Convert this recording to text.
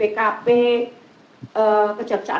nanti kamu dan aku heran di sana